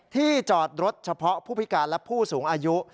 ที่จอดรถเฉพาะผู้พิการและผู้สูงอายุ